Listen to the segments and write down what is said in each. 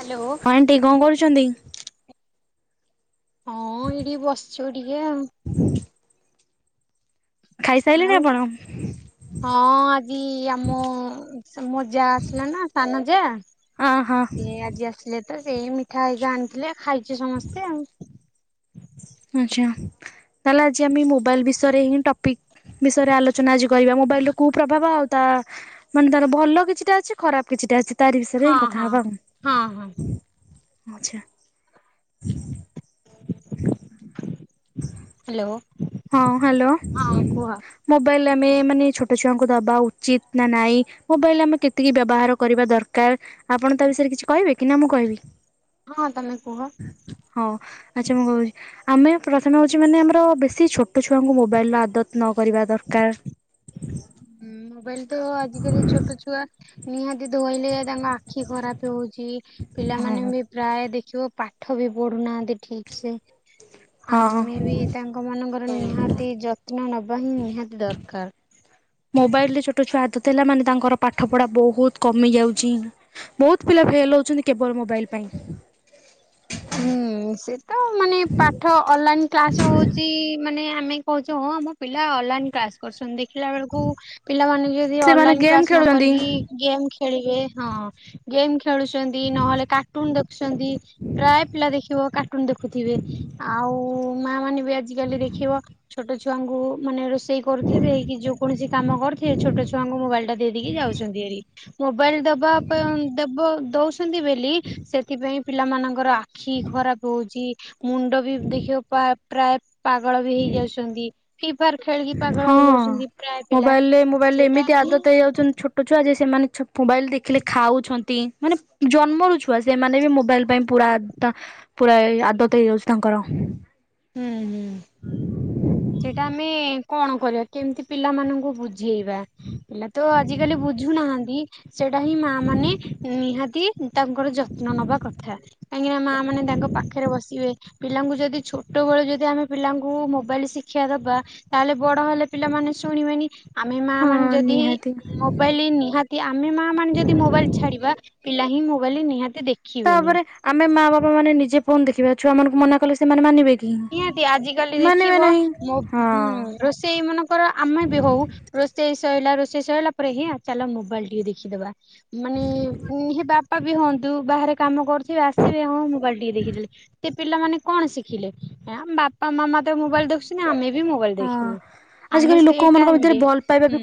Hello aunty କଣ କରୁଛନ୍ତି? ହଁ ଏଇଠି ବସ୍ଛୁ ଟିକେ ଆଉ। ହୁଁ ଖାଇଲେଣି ଆଉ ଆପଣ? ହଁ ଆଜି ଆମ ମୋ ଯା ଆସିଲା ନାଁ ସାନ ଯାଆ ହଁ-ହଁ। ସେ ତ ସେଇ ମିଠା ହେଇକା ଆଣିଥିଲେ ଖାଇଚୁ ସମସ୍ତେ ଆଉ। ଆଚ୍ଛା ତାହେଲେ ଆଜି ଆମେ ମୋବାଇଲ୍ ବିଷୟରେ ହିଁ ଟପିକ୍ ବିଷୟରେ ଆଲୋଚ଼ନା [unintelligible] [unintelligible] ମୋବାଇଲ୍ ରେ କୁ ପ୍ରଭାବ ଆଉ ତା ମାନେ ତାର ଭଲ କିଛିଟା ଅଛି ଖରାପ୍ କିଛିଟା ଅଛି। ତାରି ବିଷୟରେ ହଁ ହିଁ କଥା ହବା ହଁ ହଁ ହଁ ଆଚ୍ଛା। [inaudible] ହାଲୋ। ହଁ ହାଲୋ। ମୋବାଇଲ୍ ଆମେ ମାନେ ଛୋଟ ଛୁଆଙ୍କୁ ଦବା ଉଚିତ୍ ନା ନାଇଁ ମୋବାଇଲ୍ ଆମେ କେତିକି ବ୍ୟବହାର କରିବା ଦରକାର୍ ଆପଣ ତା ବିଷୟରେ କିଛି କହିବେ କି ନାଁ ମୁଁ କହିବି? ହଁ ତମେ କୁହ। ହଁ ଆଚ୍ଛା ମୁଁ କହୁଚି ଆମେ ପ୍ରଥମେ ହଉଚି ମାନେ ଆମର ବେ ଏତେ ଛୋଟ ଛୁଆଙ୍କୁ ମୋବାଇଲ୍ ର ଆଦତ୍ ନ କରିବା ଦରକାର୍। ହୁଁ ମୋବାଇଲି ତ ଆଜିକାଲି ଛୋଟ ଛୁଆ ନିହାତି ଧୋଇଲେ ତାଙ୍କ ଆଖି ଖରାପେ ହଉଚି ପିଲାମାନେ ହଁ ବି ପ୍ରାୟ ଦେଖିବ ପାଠ ବି ପଢୁନାହାନ୍ତି ଠିକ୍ ସେ। ହଁ ଆମେ ବି ତାଙ୍କ ମାନଙ୍କର ନିହାତି ଯତ୍ନ ନବା ହିଁ ନିହାତି ଦରକାର୍। ମୋବାଇଲ୍ ରେ ଛୋଟ ଛୁଆ ହାତ ଥୋଇଲା ମାନେ ତାଙ୍କର ପାଠ ପଢ଼ା ବହୁତ୍ କମି ଯାଉଚି। ବହୁତ୍ ପିଲା ଫେଲ୍ ହଉଚନ୍ତି କେବଳ ମୋବାଇଲ୍ ପାଇଁ। ହୁଁ ସେ ତ ମାନେ ପାଠ ଅନଲାଇନ୍ କ୍ଲାସ୍ ହଉଚି ମାନେ ଆମେ କହୁଚୁ ହଁ ଆମ ପିଲା ଅନଲାଇନ୍ କ୍ଲାସ୍ କରୁଚନ୍ତି ଦେଖିଲା ବେଳକୁ ପିଲା ମାନେ ଯଦି ସେମାନେ ଅନଲାଇନ୍ ଗେମ୍ କ୍ଲାସ୍ ନ ଖେଳୁଛନ୍ତି କରିକି ଗେମ୍ ଖେଳିବେ ହଁ ଗେମ୍ ଖେଳୁଚନ୍ତି ନହେଲେ କାର୍ଟୁନ୍ ଦେଖୁଚନ୍ତି। ପ୍ରାୟ ପିଲା ଦେଖିବ କାର୍ଟୁନ୍ ଦେଖୁଥିବେ ଆଉ ମା ମାନେ ବି ଏ ଆଜି କାଲି ଦେଖିବ ଛୋଟ ଛୁଆଙ୍କୁ ମାନେ [unintelligible] ରୋଷେଇ କରୁଥିବେ କି ଯେକୌଣସି କାମ କରୁଥିବେ ଛୋଟ ଛୁଆଙ୍କୁ ମୋବାଇଲ୍ ଟା ଦେଇଦେଇକି ଯାଉଚନ୍ତି ଆରି। ମୋବାଇଲ୍ ଦବା [unintelligible] ଦେବ ଦଉଚନ୍ତି ବୋଲି ସେଥିପାଇଁ ପିଲା ମାନଙ୍କର ଆଖି ଖରାପ୍ ହଉଚି ମୁଣ୍ଡ ବି ଦେଖିବ ପା ପ୍ରାୟ ପାଗଳ ବି ହେଇଯାଉଚନ୍ତି ଫି ଫାୟାର୍ ଖେଳିକି ପାଗଳ ହେଇଯାଉଚନ୍ତି ପ୍ରାୟ ପି ମୋବାଇଲିରେ-ମୋବାଇଲିରେ ଏମତି ଆଦତ୍ ହେଇଯାଉଚନ୍ତି [unintelligible] ଛୋଟ ଛୁଆ ଯେ ସେମାନେ [unintelligible] ମୋବାଇଲ୍ ଦେଖିଲେ ଖାଉଛନ୍ତି ମାନେ ଜନ୍ମରୁ ଛୁଆ ସେମାନେ ବି ମୋବାଇଲି ପାଇଁ ପୁରାତ ପୁରା ଆଦତ୍ ହେଇଯାଉଚି ତାଙ୍କର। ହୁଁ। [inaudible] ସେଇଟା ଆମେ କଣ କରିବା କେମ୍ତି ପିଲାମାନଙ୍କୁ ବୁ ଝେଇବା ପିଲା ତ ଆଜିକାଲି ବୁଝୁନାହାଁନ୍ତି ସେଇଟା ହିଁ ମା ମାନେ ନିହାତି ତାଙ୍କର ଯତ୍ନ ନେବା କଥା କାହିଁକିନା ମା ମାନେ ତାଙ୍କ ପାଖରେ ବସିବେ ପିଲାଙ୍କୁ ଯଦି ଛୋଟବଳେ ଯଦି ଆମେ ପିଲାଙ୍କୁ ମୋବାଇଲି [unintelligible] ଶିକ୍ଷା ଦବା ତାହଲେ ବଡ ହେଲେ ପିଲାମାନେ ଶୁଣିବେନି। ଆମେ ମା ହଁ ମାନେ ଯଦି ନିହାତି। ମୋବାଇଲି ନିହା ତି ଆମେ ମା ମାନେ ଯଦି ମୋବାଇଲ୍ ଛାଡିବା, ପିଲା ହିଁ ମୋବାଇଲି ନିହାତି ଦେ ତାପରେ ଆମେ ମା ବାପା ମାନେ ନିଜେ ଫୋନ୍ ଦେଖିବା ଛୁଆ ମାନଙ୍କୁ ମନା କଲେ ସେମାନେ ମାନିବେକି ନିହାତି ଆଜିକାଲି ମାନିବେ ନାହିଁ ହଁ। ସେଇ ମାନଙ୍କର ଆମେ ବି ହଉ ରୋଷେଇ ସରିଲା ରୋଷେଇ ସରିଲା ପରେ ହିଁ ଚାଲ ମୋବାଇଲ ଟିକେ ଦେଖିଦେବା। ମାନେ ଉଁ ବାପାବି ହୁଅନ୍ତୁ ବାହାରେ କାମ କରୁଥିବେ ଆସିବେ ହଁ ମୁ ମୋବାଇଲି ଟିକେ ଦେଖିଦେଲେ ସେ ପିଲାମାନେ କଣ ଶିଖିଲେ ବାପା ମାମା ତ ମୋବାଇଲି ଦେଖୁଛ ଆମେ ବି ମୋବାଇଲି ହଁ ଦେଖିବୁ ଆମେ ଆଜିକାଲି ସେଇ ଟାଇମରେ ହୁଁ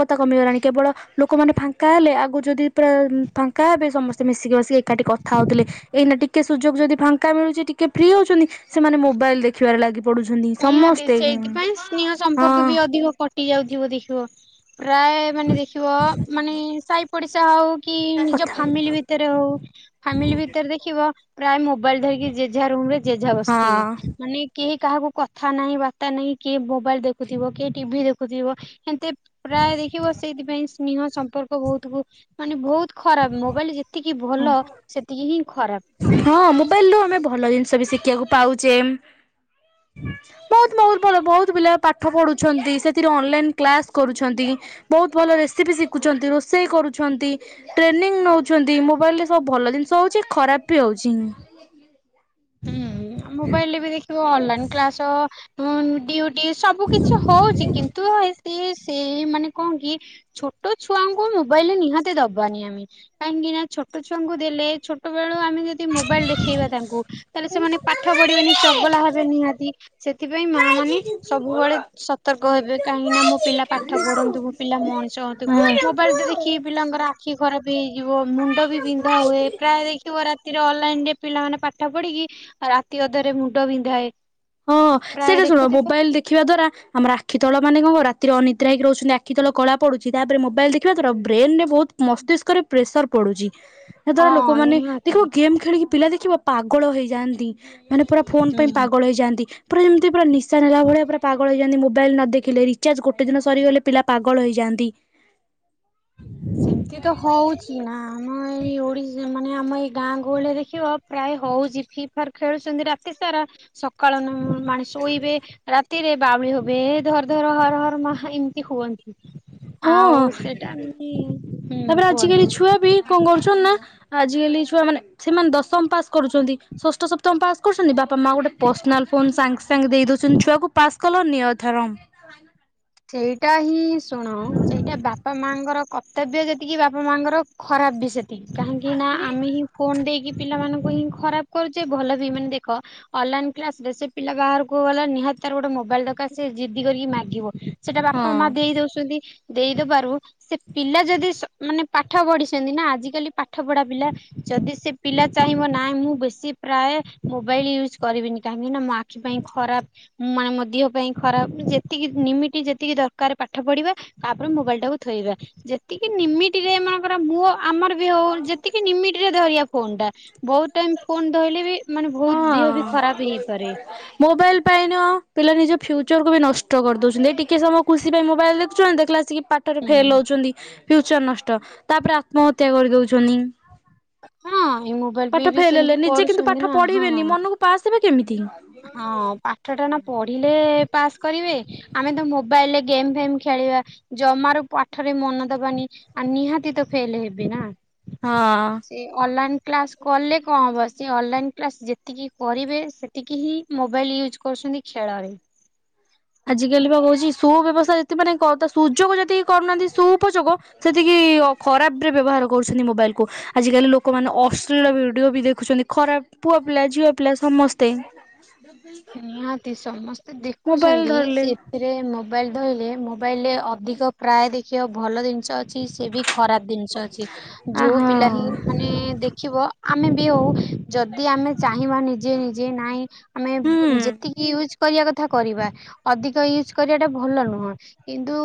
କଥା କମି ଗଲାଣି କେବଳ ଲୋକମାନେ ଫାଙ୍କା ହେଲେ ଆଗରୁ ଯଦି ପୁରା ଫାଙ୍କା ହେବେ ସମସ୍ତେ ମିଶିକି ବସିକି ଏକାଠି ଖାଉଥିଲେ ଏଇନା ଟିକେ ସୁଯୋଗ ଯଦି ଫାଙ୍କା ମିଳୁଛି ଟିକେ ଫ୍ରି ହଉଛନ୍ତି ସେମାନେ ମୋବାଇଲି ଦେଖିବାରେ ଲାଗି ପୁଡୁଛନ୍ତି ସମସ୍ତେ ସେଇଥି ପାଇଁ ସ୍ନେହ ସମ୍ପର୍କ ବି ହଁ ଅଧିକ କଟି ଯାଉଥିବ ଦେଖିବ। ପ୍ରାୟ ମାନେ ଦେଖିବ ମାନେ ସାହି ପଡିଶା ହଉ କି ନିଜ କଥା ଫାମିଲି ଭି ଭିତରେ ହଉ ଫାମିଲି ଭିତରେ ଦେଖିବ ପ୍ରାୟ ମୋବାଇଲ ଧରିକି ଜେଜା ରୁମ ରେ ଜେଜା ବସିଥିବି ହଁ ମାନେ କେହି କାହାକୁ କଥା ନାହିଁ ବାର୍ତ୍ତା ନାଇଁ କିଏ ମୋବାଇଲ ଦେଖୁଥିବ କିଏ ଟିଭି ଦେଖୁଥିବ। ହେତେ ପ୍ରାୟ ଦେଖିବ ସେଇଥି ପାଇଁ ସ୍ନେହ ସମ୍ପର୍କ ବହୁତ ମାନେ ବହୁତ ଖରାପ ମୋବାଇଲ ଯେତିକି ଭଲ ସେତିକି ହିଁ ଖରାପ। ହଁ ମୋବାଇଲୁ ରୁ ଆମେ ଭଲ ଜିନିଷ ବି ଶିଖିବାକୁ ପାଉଛେ। ବହୁତ ବହୁତ ଭଲ ବହୁତ ପିଲା ପାଠ ପଢୁଛନ୍ତି ସେଥିରେ ଅନଲାଇନ କ୍ଲାସ କରୁଛନ୍ତି। ବହୁତ ଭଲ ରେସିପି ଶିଖୁଛନ୍ତି ରୋଷେଇ କରୁଛନ୍ତି। ଟ୍ରେନିଂ ନେଉଛନ୍ତି ମୋବାଇଲରେ ସବୁ ଭଲ ଜିନିଷ ହଉଛି ଖରାପ ବି ହେଉଛି। ହୁଁ ମୋବାଇଲ ରେ ବି ଦେଖିବ ଅନଲାଇନ୍ କ୍ଲାସ ହୁଁ ଦିଉ ସବୁ କିଛି ହଉଛି କିନ୍ତୁ ସେ ସେ ମାନେ କଣ କି ଛୋଟ ଛୁଆଙ୍କୁ ମୋବାଇଲ ନିହାତି ଦବାନି ଆମେ କାହିଁକି ନା ଛୋଟ ଛୁଆଙ୍କୁ ଦେଲେ ଛୋଟ ଛୋଟ ବେଳୁ ଆମେ ଯଦି ମୋବାଇଲ ଦେଖେଇବା ତାଙ୍କୁ ତାହେଲେ ସେମାନେ ପାଠ ପଢ଼ିବେନି ଚଗଲା ହେବେ ନିହାତି। ସେଥିପାଇଁ ମା ମାନେ ସବୁବେଳେ ସତର୍କ ହେବେ କାହିଁକି ନା ମୋ ପିଲା ପାଠ ପଢନ୍ତୁ ମୋ ପିଲା ମଣିଷ ହନ୍ତୁ। ମୋବାଇଲ ରେ ଦେଖିକି ପିଲାଙ୍କର ଆଖି ଖରାପ ହେଇଯିବ ମୁଣ୍ଡ ବି ବିନ୍ଧା ହୁଏ ପ୍ରାୟ ଦେଖିବ ରାତିରେ ଅନଲାଇନ ରେ ପିଲାମାନେ ପା ପଡିକି ରାତି ଅଧରେ ମୁଣ୍ଡ ବିନ୍ଧାଏ। ହଁ ପ୍ରାୟ ସେଇଟା ଶୁଣ ଦେଖୁଥିବ ମୋବାଇଲ ଦେଖିବା ଦ୍ଵାରା ଆମର ଆଖି ତଳ ମାନେ କଣ ରାତିରେ ଅନିଦ୍ରା ହୋଇକି ରହୁଛନ୍ତି ଆଖିତଳ କଳା ପଡ଼ୁ ତାପରେ ମୋବଲ ଦେଖିବା ଦ୍ୱାରା ବ୍ରେନ୍ ରେ ବହୁତ ମସ୍ତିଷ୍କରେ ପ୍ରେସର ପଡୁଛି। ସେତେବେଳେ ହଁ ଲୋକମାନେ ନିହାତି ଦେଖିବ ଗେମ୍ ଖେଳିକି ପିଲା ଦେଖିବ ପାଗଳ ହେଇଯାଆନ୍ତି। ମାନେ ପୁରା ଫୋନ୍ ପାଇଁ ହୁଁ। ପାଗଳ ହେଇଛି ପୁରା ଯେମିତି ପୁରା ନିଶା ନେଲା ଭଳି ପୁର ପାଗଳ ହେଇଯାନ୍ତି ମୋବାଇଲ ନ ଦେଖିଲେ ରିଚାର୍ଜ ଗଟେ ଦିନ ସରିଗଲେ। ପିଲା ପାଗଳ ହେଇଯାଆନ୍ତି। ସେମିତି ତ ହଉଛି ନା ଆମ ଏଇ ଓଡିଶା ମାନେ ଆମ ଏଇ ଗାଁ ଗହଳିରେ ଦେଖିବ? ପ୍ରାୟ ହଉଛି ଫ୍ରି ଫାଆର ଖେଳୁଛନ୍ତି ରାତି ସାରା ସକାଳ ନହଉ ଶୋଇବେ ରାତିରେ ବାଉଳି ହବେ ଧର ଧର ହର ହର ମା ଏମିତି ହୁଅନ୍ତି। ଆଉ ହଁ ସେଟା ମାନେ ହୁଁ ତାପରେ ଆଜିକାଲି କୁହନ୍ତୁ। ଛୁଆ ବି କଣ କରୁଛନ୍ତି ନା ଆଜିକାଲି ଛୁଆ ମାନେ ସେମାନେ ଦଶମ ପାସ୍ କରୁଛନ୍ତି। ଷଷ୍ଠ ସପ୍ତମ ପାସ୍ କରୁଛନ୍ତି ବାପା ମା ଗୋଟେ ପର୍ସନାଲ ଫୋନ ସାଙ୍ଗେ ସାଙ୍ଗେ ଦେଇ ଦଉଛନ୍ତି ଛୁଆକୁ ପାସ୍ କଲ ନିିଅ ଏଥର। ସେଇଟା ହିଁ ଶୁଣ ସେଇଟା ବାପା ମାଙ୍କର କଥା ତବ୍ୟ ଯେତିକି ବାପା ମାଙ୍କର ଖରାପ ବି ସେତିକି କାହିଁକି ନା ଆମେ ହିଁ ଫୋନ ଦେଇକି ପିଲାମାନଙ୍କୁ ହିଁ ଖରାପ କରୁଛେ ଭଲ ଦିମିନିଟ୍ ଦେଖ। ଅନଲାଇନ କ୍ଲାସ ରେ ସେ ପିଲା ବାହାରକୁ ଗଲା ନିହାତି ତାର ଗୋଟେ ମୋବାଇଲ ଦରକାର ସେ ଜିଦି କରିକି ମାଗିବ। ସେଟା ହଁ ବାପା ମା ଦେଇ ଦଉଛନ୍ତି ଦେଇ ଦବାରୁ ସେ ପିଲା ଯଦି ମାନେ ପାଠ ପଢିଛନ୍ତି ନା ଆଜିକାଲି ପାଠ ପଢା ପିଲା ଯଦି ସେ ପିଲା ଚାହିଁବ ନାଇଁ ମୁଁ ବେଶୀ ପ୍ରାୟ ମୋବାଇଲ୍ ୟୁଜ୍ କରିବିନି କାହିଁକିନା ମୋ ଆଖି ପାଇଁ ଖରାପ। ମାନେ ମୋ ଦେହ ପାଇଁ ଖରାପ ଯେତିକି ନିମିଟି ଯେ ଏତିକି ଦରକାର ପାଠ ପଢ଼ିବା ତାପରେ ମୋବାଇଲି ଟାକୁ ଥୋଇବା। ଯେତିକି ନିମିଟି ରେ ମନେକର ମୋ ଆମର ବି ହଉ ଯେତିକି ନିମିଟ ରେ ଧରିବା ଫୋନ୍ ଟା। ବହୁତ ଟାଇମ ଫୋନ୍ ଧରିଲେ ବି ମାନେ ବହୁତ ଦେହ ବି ହଁ ଖରାପ ହେଇପାରେ। ମୋବାଇଲ ପାଇଁନ ପିଲା ନିଜ ଫ୍ୟୁଚରକୁ ବି ନଷ୍ଟ କରିଦଉଛନ୍ତି ଏଇ ଟିକେ ସମୟ ଖୁସି ପାଇଁ ମୋବାଇଲ ଦେଖୁଛନ୍ତି ଦେଖିଲା ଆସିକି ପାଠରେ ହୁଁ। ଫେଲ ହଉଛନ୍ତି ଫ୍ୟୁଚର ନଷ୍ଟ ତାପରେ ଆତ୍ମହତ୍ୟା କରିଦଉଛନ୍ତି। ହଁ ଏଇ ମୋବାଇଲ ବି ପାଠ ବି ଫେଲ ହେଲେ ସେମିତି ନିଜେ କିନ୍ତୁ ପାଠ କରୁଛନ୍ତି ନା ହଁ ପଢିବେନି ମନକୁ ପାସ୍ ଦେବେ କେମିତି। ହଁ ପାଠ ଟା ନା ପଢିଲେ ପାସ୍ କରିବେ। ଆମେ ତ ମୋବାଇଲ ରେ ଗେମ୍ ଫେମ ଖେଳିବା ଜମାରୁ ପାଠରେ ମନ ଦବାନି। ଆ ନିହାତି ତ ଫେଲ ହେବେ ନା। ହଁ। ସେ ଅନଲାଇନ୍ କ୍ଲାସ୍ କଲେ କଣ ହେବ ସେ ଅନଲାଇନ୍ କ୍ଲାସ୍ ଯେତିକି କରିବେ ସେ ତିକି ହିଁ ମୋବାଇଲ ୟୁଜ୍ କରୁଛନ୍ତି ଖେଳରେ। ଆଜିକାଲି ବା ହଉଛି ସୁ ବ୍ୟବସ୍ଥା ଯେତେ ମାନେ ସୁଯୋଗ ଯେତିକି କରୁନାହାନ୍ତି ସୁ ଉପଯୋଗ ସେତିକି ଖରାପ ରେ ବ୍ୟବହାର କରୁଛନ୍ତି ମୋବାଇଲ କୁ। ଆଜି କାଲି ଲୋକମାନେ ଅଶ୍ଲୁଳ ଭିଡିଓ ବି ଦେଖୁଛନ୍ତି ଖରାପ ପୁଅ ପିଲା ଝିଅ ପିଲା ସମସ୍ତେ। [inaudible] ନିହାତି ସମସ୍ତେ ମୋବାଇଲ ଦେଖୁଛନ୍ତି ଧରିଲେ ସେ ଏଥିରେ ମୋବାଇଲ ଧଇଲେ ମୋବାଇଲ ରେ ଅଧିକ ପ୍ରାୟ ଦେଖିବା ଭଲ ଜିନିଷ ଅଛି। ସେ ବି ଖରାପ ଜିନିଷ ଅଛି ଆ ଯୋଉ ହଁ ପିଲା ହିଁ ମାନେ ଦେଖିବ। ଆମେ ବି ହଉ ଯଦି ଆମେ ଚାହିଁବା ନିଜେ ନିଜେ ନାଇଁ ଆମେ ହୁଁ ଯେତିକି ୟୁଜ୍ କରିବା କଥା କରିବା। ଅଧିକା ୟୁଜ୍ କରିବା ଟା ଭଲ ନୁହଁ। କିନ୍ତୁ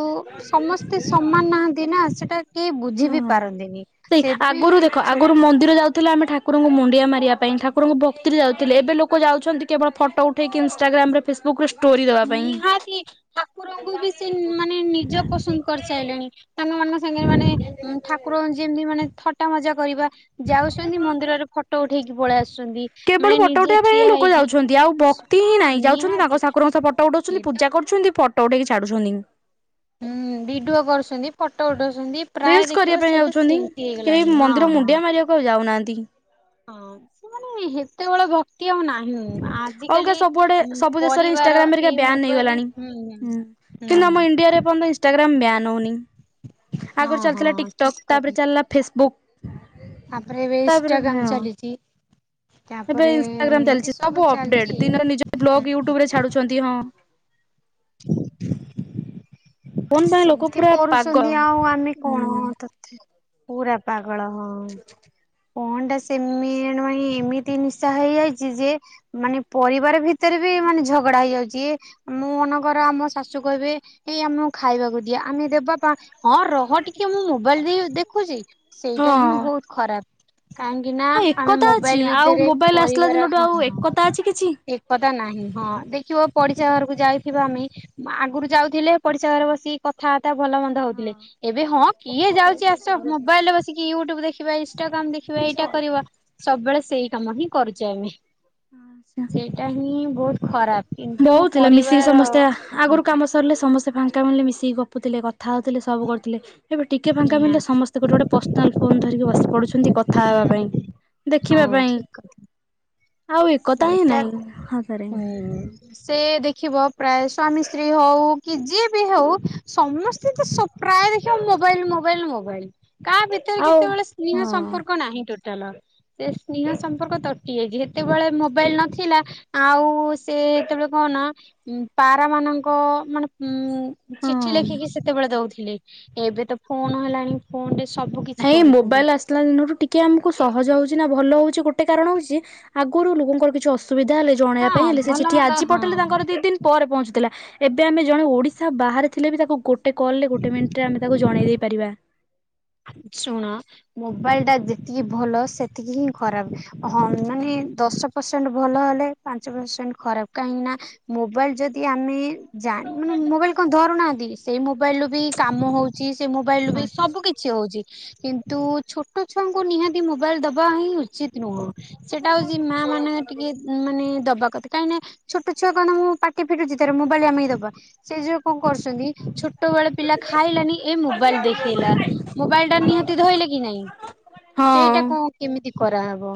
ସମସ୍ତେ ସମାନ ନାହାନ୍ତି ନା ସେଟା କେହି ବୁଝି ବିି ହଁ। ପାରନ୍ତିନି ସେଇ ଆଗରୁ ସେଥିପାଇଁ ଦେଖ ଛୋ ଆଗରୁ ମନ୍ଦିର ଯାଉ ଥିଲା ଆମେ ଠାକୁରଙ୍କୁ ମୁଣ୍ଡିଆ ମାରିବା ପାଇଁ ଠାକୁରଙ୍କୁ ଭକ୍ତିରେ ଯାଉଥିଲେ ଏବେ ଲୋକ ଯାଉଛନ୍ତି କେବଳ ଫଟୋ ଉଠେଇକି ଇନଷ୍ଟାଗ୍ରାମରେ ଫେସବୁକ୍ ରେ ଷ୍ଟୋରି ଦେ ନିହାତି ଠାକୁରଙ୍କୁ ବି ସେ ମାନେ ନିଜ ପସନ୍ଦ କରିସାରିଲେଣି। ସାଙ୍ଗ ମାନଙ୍କ ସାଙ୍ଗରେ ମାନେ ଠାକୁର ଯେମତି ମାନେ ଥଟା ମଜା କରିବା ଯାଉଛନ୍ତି ମନ୍ଦିରରେ ଫଟୋ ଉଠେଇକି ପଳେଇ ଆସୁଛନ୍ତି କେବଳ ମାନେ ଫଟୋ ନିଜେ ଉଠେଇବା ପାଇଁ ହିଁ ଠିଆ ଲୋକ ହେଇକି ହଁ ନିହାତି। କୁରଙ୍କ ସହ ଫଟୋ ଉଠଉଛନ୍ତି ସେଟା ପୂଜା କରୁଛନ୍ତି ଫଟୋ ଉଠେଇକି ଛାଡୁଛନ୍ତି। ଭିଡିଓ କରୁଛନ୍ତି। ଫଟୋ ଉଠଉଛନ୍ତି ପ୍ରାୟ ରିଲସ କରିବା ଦେଖିବ ପାଇଁ ସେଇଟା ସେମିତି ହେଇଗଲାଣି ହଁ ହଁ। କୁଆ ଯାଉନାହାନ୍ତି। ହଁ ସେମାନେ ହେତେବେଳ ଭକ୍ତି ଆଉ ନାହିଁ। ହୁଁ ଅଲଗା ଆଜିକାଲି ସବୁଆଡେ ସବୁ ଦେଶରେ ପରିବାର ଇନଷ୍ଟାଗ୍ରାମ ହେରିକା ଏଇ ମୋବାଇଲ ହୁଁ। ହେଦିନ ଆମ ହୁଁ ଇଣ୍ଡିଆରେ [unintelligible] ଇନଷ୍ଟାଗ୍ରାମ ବ୍ୟାନ୍ ହଉନି। ଆଗରୁ ହଁ ହଁ ଚାଲିଥିଲା ଠିକ ଟିକିଟକ୍ ତାପରେ ଚାଲିଲା ଫେସବୁକ୍। ଆପରେ ଏବେ ତାପରେ ହଁ ଇନଷ୍ଟାଗ୍ରାମ୍ ଚାଲିଛି। ଏବେ ତାପରେ ଇନଷ୍ଟାଗ୍ରାମ ଚାଲିଛି ଏସବୁ ସବୁ ଅପଡେଟ୍ ଚାଲିଛି ଦିନରେ ନିଜ ବ୍ଲଗ ୟୁଟ୍ୟୁବ ରେ ଛାଡୁଛନ୍ତି ହଁ ଫୋନ ପାଇଁ ଲୋକ ସେମିତି ପୁରା ପାଗଳ କରୁଛନ୍ତି ଆଉ ଆମେ କଣ ହୁଁ ତ ପୁରା ପାଗଳ ହଁ। କଅଣ ଟା ସେମ ମାନେ ଏମିତି ନିଶା ହେଇଯାଇଛି ଯେ ମାନେ ପରିବାର ଭିତରେ ବି ମାନେ ଝଗଡା ହେଇଯାଉଛି। ମୁଁ ମନେକର ଆମ ଶାଶୁ କହିବେ ଏଇ ଆମ ଖାଇବାକୁ ଦିଅ ଆମେ ଦେବା ପା ହଁ ରହ ଟିକେ ମୁଁ ମୋବାଇଲ ଦେଇ ଦେଖୁଛି। ସେଇଟା ହିଁ ହଁ। ବହୁତ ଖରାପ୍। କାହିଁକି ନା ହଁ ଆମେ ଏକତା ଅଛି ମୋବାଇଲ ଆଉ ଭିତରେ ମୋବାଇଲ ଆସିଲା ପରିବାର ଦିନଠୁ ହଁ। ଆଉ ଏକତା ଅଛି କିଛି। ଏକତା ନାହିଁ ହଁ ଦେଖିବ ପଡିଶା ଘରକୁ ଯାଇଥିବା ଆମେ ଆଗରୁ ଯାଉଥିଲେ ପଡ଼ି ସା ଘରେ ବସିକି କଥାବାର୍ତ୍ତା ଭଲ ମନ୍ଦ ହଉଥିଲେ ଏବେ ହଁ କିଏ ଯାଉଛି ଆସ ମୋବାଇଲ ରେ ବ କି ୟୁଟ୍ୟୁବ ଦେଖିବା ଇନଷ୍ଟଟାଗ୍ରାମ ଦେଖିବା ଏଇଟା କରିବା ସବୁବେଳେ ସେଇ କାମ ହିଁ କରୁଛେ ଆମେ। ଆଚ୍ଛା। ସେଇଟା ହିଁ ବହୁତ ଖରାପ୍ କିନ୍ତୁ ବହୁତ ଥିଲା ମିଶିକି ପରିବାର ସମସ୍ତେ ଆଗରୁ କାମ ସରିଲେ ସମସ୍ତେ ଫାଙ୍କା ମିଳିଲେ ମିଶିକି ଗପୁଥିଲେ କଥା ହଉଥିଲେ ସବୁ କରୁଥିଲେ ଏବେ ଟିକେ ଫାଙ୍କା ମିଳିଲେ ନିହାତି ସମସ୍ତେ ଗୋଟେ ଗୋଟେ ପର୍ସନାଲ୍ ଫୋନ୍ ଧରିକି ବସି ପଡୁଛନ୍ତି କଥା ହେବା ପାଇଁ। ହଁ ଦେଖିବା ପାଇଁ ଠିକ୍ କଥା। ଆଉ ଏକତା ହିଁ ସେଇଟା ନାହିଁ ସତରେ। ହୁଁ ସେ ଦେଖିବ ପ୍ରାୟ ସ୍ଵାମୀ ସ୍ତ୍ରୀ ହଉ କି ଯିଏ ବି ହଉ ସମସ୍ତେ ତ ପ୍ରାୟ ଦେଖିବ ମୋବାଇଲ ମୋବାଇଲ ମୋବାଇଲ କାହା ଭିତ ରେ ଆଉ କେତେବେଳେ ସ୍ନେହ ହଁ ସମ୍ପର୍କ ନାହିଁ ଟୋଟାଲ। ସେ ସ୍ନେହ ସମ୍ପର୍କ ତୁଟିଯାଇଛି ଯେତେବେଳେ ମୋବାଇଲ ନଥିଲା ଆଉ ସେ ଯେତେବେଳେ କହନା ପାରା ମାନଙ୍କ ମାନେ ଉ ଚିଠି ହଁ। ଲେଖିକି ସେତେବେଳେ ଦଉଥିଲି ଏବେ ତ ଫୋନ୍ ହେଲାଣି। ଫୋନ୍ ରେ ସବୁ କିଛି କରୁଛନ୍ତି। ଦିନରୁ ଟିକେ ଆମକୁ ସହଜ ହଉଛି ନା ଭଲ ହେଉଛି ଗୋଟେ କାରଣ ହଉଛି। ଆଗରୁ ଲୋକଙ୍କର କିଛି ଅସୁବିଧା ହେଲେ ଜଣେଇବା ହଁ ପାଇଁ ହେଲେ ସେ ଭଲ ଚିଠି ମନ୍ଦ ଆଜି ହଁ। ପଠେଇଲେ ତାଙ୍କର ଦି ଦିନ ପରେ ପହଞ୍ଚୁଥିଲା ଏବେ ଆମେ ଜଣେ ଓଡିଶା ବାହାରେ ଥିଲେ ବି ତାକୁ ଗୋଟ ଗୋଟେ କଲ୍ ରେ ଗୋଟେ ମିନିଟ୍ ରେ ଆମେ ତାକୁ ଜଣେଇଦେଇ ପାରିବା। ଶୁଣ ମୋବାଇଲ ଟା ଯେତିକି ଭଲ ସେତିକି ହିଁ ଖରାପ୍ ହଁ ମାନେ ଦଶ ପରସେଣ୍ଟ୍ ଭଲ ହେଲେ ପାଞ୍ଚ ପରସେଣ୍ଟ ଖରାପ୍ କାହିଁକିନା ମୋବାଇଲ ଯଦି ଆମେ ଜାଣ ମାନେ ମୋବାଇଲ କଣ ଧରୁନାହାନ୍ତି ସେଇ ମୋବାଇଲ ରୁ ବି କାମ ହେଉଛି ସେଇ ମୋବାଇଲ ରୁ ହଁ ବି ସବୁ କିଛି ହେଉଛି କିନ୍ତୁ ଛୋଟ ଛୁଆଙ୍କୁ ନିହାତି ମୋବାଇଲ ଦବା ହିଁ ଉ ଉଚିତ୍ ନୁହଁ ସେଟା ହେଉଛି ମାଆମାନେ ଟିକେ ଉ ମାନେ ଦବା କଥା କାହିଁକି ନା ଛୋଟ ଛୁଆ କଣ ମୁଁ ପାଟି ଫିଟୁଛି ତାର ମୋବାଇଲ ଆମେ କି ଦବା। ସେ ଯଉ କଣ କରୁଛନ୍ତି ଛୋଟ ବେଳେ ପିଲା ଖାଇଲାନି ଏ ମୋବାଇଲ ଦେଖିଲା। ମୋବାଇଲ ଟା ନିହାତି ଧଇଲା କି ନାଇଁ ହଁ ସେଇଟା କଣ କେମିତି କରାହେବ।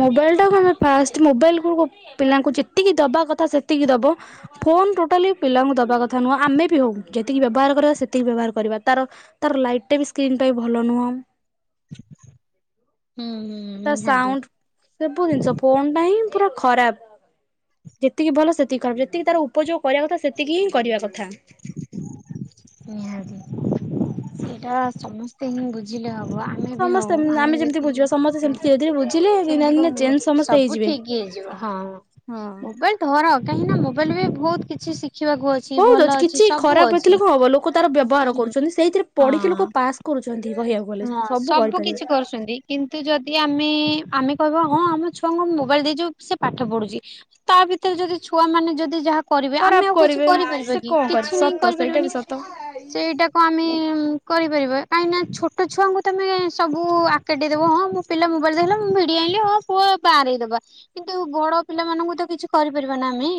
ମୋବାଇଲ ଟା କ ଆମେ ଫାଷ୍ଟ ମୋବାଇଲ କୁ ପିଲାଙ୍କୁ ଯେତିକି ଦବା କଥା ସେତିକି ଦବ। ଫୋନ୍ ଟୋଟାଲି ପିଲାଙ୍କୁ ଦେବା କଥା ନୁହେଁ ଆମେ ବି ହଉ ଯେତିକି ବ୍ୟବହାର କରିବା ସେତିକି ବ୍ୟବହାର କରିବା ତାର ତାର ଲାଇଟ୍ ଟା ବି ସ୍କ୍ରନ୍ ଟା ବି ଭଲ ନୁହଁ। ହୁଁ ହୁଁ। ତା ନିହାତି ସାଉଣ୍ଡ ସବୁ ଜିନିଷ ଫୋନ୍ ଟା ହିଁ ପୁରା ଖରାପ୍। ଯେତିକି ଭଲ ସେତିକି ଖରାପ୍ ଯେତିକି ତାର ଉପଯୋଗ କରିବା କଥା ସେତିକି ହିଁ କରିବା କଥା। ନିହାତି ସେଇଟା ପା ସମସ୍ତେ ହିଁ ବୁଝିଲେ ହବ ଆ ଆମେ ବି ସମସ୍ତେ ହଉ ଆମେ ଯେମିତି ଯଦି ବୁଝିବା ସମସ୍ତେ ସେମିତି ଧୀରେ ଧୀରେ ବୁଝିଲେ ଦିନେ ସେମିତି ଦିନେ କହୁ ଚେଞ୍ଜ ସମସ୍ତେ ସବୁ ହେଇଯିବେ। ଠିକ୍ ହେଇଯିବ। ହଁ। ହଁ। ମୋବାଇଲ ଧର କାହିଁକି ନା ମୋବାଇଲ ବି ବହୁତ କିଛି ଶିଖିବାକୁ ଅଛି ଭଲ ଅଛି କିଛି ସବୁ ଖରାପ ଅଛି। ହେଥିଲେ କଣ ହବ ଲୋକ ତାର ବ୍ୟବହାର ହୁଁ କରୁଛନ୍ତି ସେଇଥିରେ ପଢ଼ିକି ହଁ ଲୋକ ପାସ୍ କରୁଛନ୍ତି କହିବାକୁ ଗଲେ ହଁ ସବୁ କରିପାରିବେ। କିଛି କରୁଛନ୍ତି। କିନ୍ତୁ ଯଦି ଆମେ ଆମେ କହିବା ହଁ ଆମ ଛୁଆଙ୍କୁ ମୋବାଇଲ ଦେଇଛୁ ସେ ପାଠ ପଢୁଛି। ତା ଭିତରେ ଯଦି ଛୁ ମାନେ ଯଦି ଯାହା କରିବେ ଖରାପ ଆମେ ଆଉ କିଛି କରିବେ କରିପାରିବା ସେ କି କଣ କରିବେ କିଛି ନାହିଁ ସତ ସେଇଟା ବି କରିପାରିବନି। ସତ। ସେଇଟାକୁ ଆମେ କରିପାରିବା କାହିଁକିନା ଛୋଟ ଛୋଟ ଛୁଆଙ୍କୁ ତମେ ସବୁ ଆଗକେଟି ଦେବ ହଁ ମୋ ପିଲା ମୋବାଇଲ ଦେହଲେ ମୁଁ ମିଡ଼ିଆ ଆଇଲି ହଁ ପୁଅ ବାଆଁରେଇ ଦବା। କିନ୍ତୁ ବଡ ପିଲାମାନଙ୍କୁ ତ କିଛି କରିପାରିବ ନା ଆମେ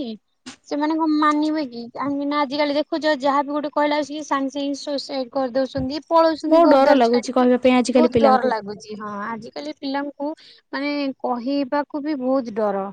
ସେମାନଙ୍କ ମାନିବେ କି କାହିଁକିନା ଆଜିକାଲି ଦେଖୁଛ ଯାହାବି ଗୋଟେ କହିଲା ସାଙ୍ଗେ ସାଙ୍ଗେ ସୁସାଇଟ୍ କରିଦଉଛନ୍ତି ପଳଉଛନ୍ତି ବହୁତ ଡର କରିଦୁଆର ଲାଗୁଛି ଛାଡିକି କହିବା ପାଇଁ ଆଜିକାଲି ବହୁତ ପିଲାଙ୍କୁ। ଡର ଲାଗୁଛି। ହଁ ଆଜିକାଲି ପିଲାଙ୍କୁ ମାନେ କହିବାକୁ ବି ବହୁତ ଡର।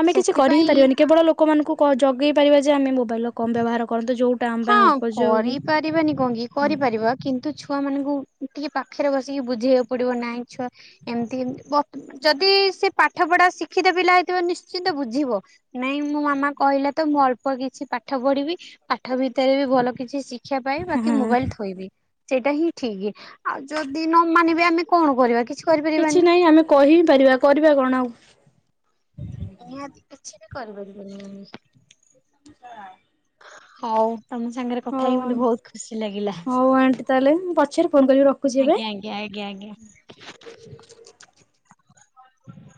ଆମେ କିଛି କରି ହିଁ ସେଥିପାଇଁ ପାରିବାନି କେବଳ ଲୋକମାନଙ୍କୁ କ ଜଗେଇ ପାରିବା ଯେ ଆମେ ମୋବାଇଲ ର କମ୍ ବ୍ୟବହାର କରନ୍ତୁ ଯୋଉ ହଁ କରିପାରିବାନି କଣ କିି କରିପାରିବା କିନ୍ତୁ ଛୁଆ ମାନଙ୍କୁ ଟିକେ ପାଖରେ ବସିକି ବୁଝେଇବାକୁ ପଡିବ ନାହିଁ ଛୁଆ ଏମିତି ଯଦି ସେ ପାଠ ପଢା ଶିଖିତ ପିଲା ହେଇଥିଲେ ନିଶ୍ଚିନ୍ତ ବୁଝିବ। ନାଇଁ ମୋ ମାମା କହିଲା ତ ମୁଁ ଅଳ୍ପ କିଛି ପାଠ ପଢିବି ପା ପାଠ ଭିତରେ ବି ଭଲ କିଛି ଶିକ୍ଷା ପାଇଁ ବାକି ହଁ ମୋବାଇଲ ଥୋଇବି। ସେଇଟା ହିଁ ଠିକ ଆଉ ଯଦି ନ ମାନିବା ଆମେ କଣ କରିବା କିଛି କିଛି କରିପାରିବାନି ନାହିଁ ଆମେ କହିପାରିବା କରିବା କଣ ଆଉ। ନିହାତି କିଛି ବି କରିପାରିବନି ଆମେ ସେଟା ହଉ ତମ ସାଙ୍ଗରେ କଥା ହେଇ ମତେ ବହୁତ ଖୁସି ଲାଗିଲା। ହଉ ଆଣ୍ଟି ତାହେଲେ ମୁଁ ପଛରେ ଫୋନ କରିବି ର ଆଜ୍ଞା ଆଜ୍ଞା ଆଜ୍ଞା ଆଜ୍ଞା। [unintelligible]